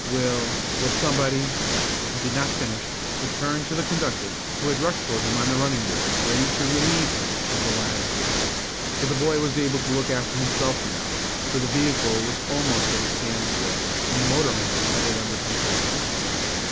Will will somebody " He did not finish, but turned to the conductor, who had rushed toward him on the running board, ready to relieve him of the lad's weight. But the boy was able to look after himself now, for the vehicle was almost at a standstill, and the motorman had it under control.